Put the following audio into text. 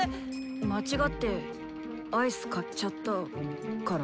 間違ってアイス買っちゃったから。